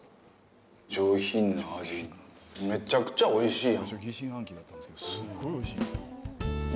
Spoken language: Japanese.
上品な味、めちゃくちゃおいしいやん。